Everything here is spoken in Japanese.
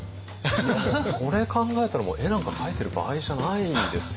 いやもうそれ考えたら絵なんか描いてる場合じゃないですよね。